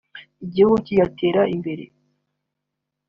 igihugu kigatera imbere